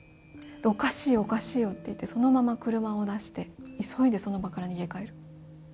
おかしいよ、おかしいよって言って、そのまま車を出して急いでその場から逃げ帰る。